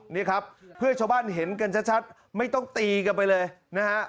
นี่ครับเพื่อให้ชาวบ้านเห็นกันชัดไม่ต้องตีกันไปเลยนะฮะ